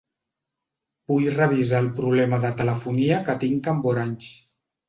Vull revisar el problema de telefonia que tinc amb Orange.